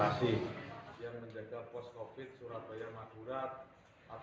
yang menjaga pos covid sembilan belas surabaya madurat